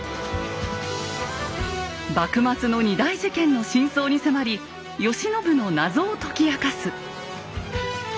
幕末の２大事件の真相に迫り慶喜の謎を解き明かす。